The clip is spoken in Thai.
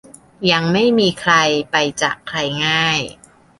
ยังไม่มีใครไปจากใครง่าย